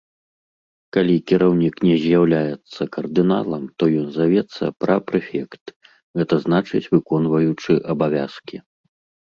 Калі кіраўнік не з'яўляецца кардыналам, то ён завецца пра-прэфект, гэта значыць выконваючы абавязкі.